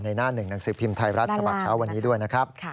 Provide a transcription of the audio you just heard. หน้าหนึ่งหนังสือพิมพ์ไทยรัฐฉบับเช้าวันนี้ด้วยนะครับ